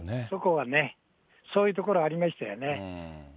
そこがね、そういうところがありましたよね。